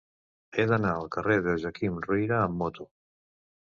He d'anar al carrer de Joaquim Ruyra amb moto.